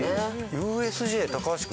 ＵＳＪ高橋君